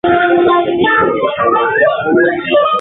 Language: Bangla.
বিশেষ ক্ষমতা থাকলে সাহায্য করতে পারতাম।